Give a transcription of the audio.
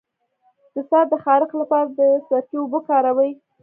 د سر د خارښ لپاره د سرکې اوبه وکاروئ